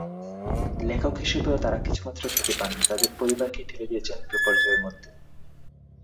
লেখক হিসেবেও তাঁরা কিছুমাত্র খ্যাতি পাননি, তাঁদের পরিবারকে ঠেলে দিয়েছেন বিপর্যয়ের মধ্যে।